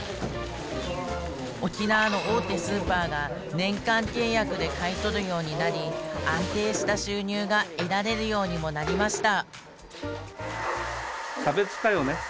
沖縄の大手スーパーが年間契約で買い取るようになり安定した収入が得られるようにもなりました